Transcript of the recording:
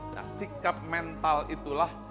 nah sikap mental itulah